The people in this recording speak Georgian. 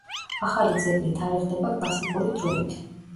ახალი ძეგლი თარიღდება კლასიკური დროით.